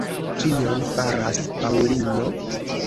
Kion faras Paŭlino?